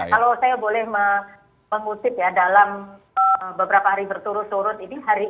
kalau saya boleh mengutip ya dalam beberapa hari berturut turut ini